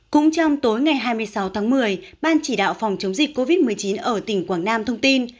cũng trong tối ngày hai mươi sáu tháng một mươi ban chỉ đạo phòng chống dịch covid một mươi chín ở tỉnh quảng nam thông tin